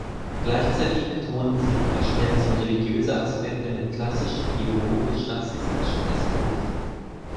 Gleichzeitig betonen sie die Verschmelzung religiöser Aspekte mit klassischen biologisch-rassistischen Diskursen.